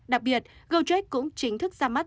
đặc biệt gojek cũng chính thức ra mắt